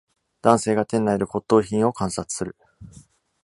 男性が店内で骨董品を観察する。